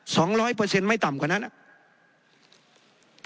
สองร้อยเปอร์เซ็นต์ไม่ต่ำกว่านั้นอ่ะ